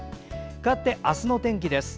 かわって、明日の天気です。